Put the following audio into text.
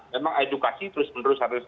memang edukasi terus menerus